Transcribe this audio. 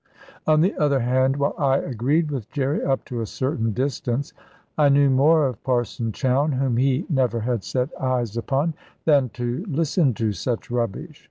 On the other hand, while I agreed with Jerry up to a certain distance, I knew more of Parson Chowne (whom he never had set eyes upon) than to listen to such rubbish.